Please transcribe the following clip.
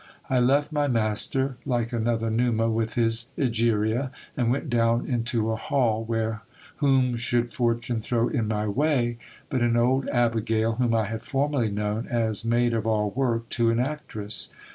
I left my master, like another Numa with his Egeria, and went down into a hall, where whom should fortune throw in my way but an old abigail, whom I had formerly known as maid of all work to an actress